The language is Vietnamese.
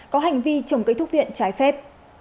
có hành vi trồng cây thuốc viện trái phép